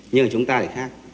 nhưng mà chúng ta lại khác